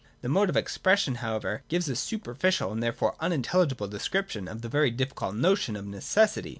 This mode of ex pression, however, gives a superficial and therefore unintelligible description of the very difficult notion of necessity.